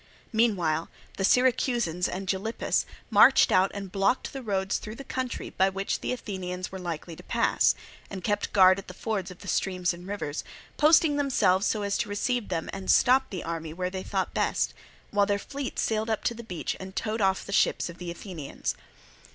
Meanwhile the Syracusans and Gylippus marched out and blocked up the roads through the country by which the Athenians were likely to pass, and kept guard at the fords of the streams and rivers, posting themselves so as to receive them and stop the army where they thought best; while their fleet sailed up to the beach and towed off the ships of the Athenians.